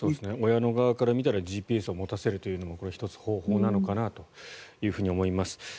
親側から見たらＧＰＳを持たせるというのもこれは１つ方法なのかなと思います。